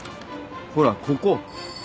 ほらここ。